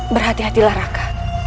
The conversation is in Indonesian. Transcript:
berhati hati lah raka